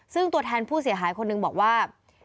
ซึ่งตัวแทนผู้เสียหายคนหนึ่งบอกว่า